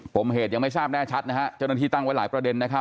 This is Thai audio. ผมเหตุยังไม่รู้จับแน่ชัดนะฮะจึงกันที่ตั้งไว้หลายประเด็น